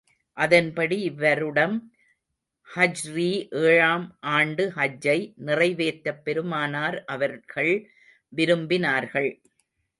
அதன்படி, இவ்வருடம், ஹிஜ்ரீ ஏழாம் ஆண்டு ஹஜ்ஜை நிறைவேற்றப் பெருமானார் அவர்கள் விரும்பினார்கள்.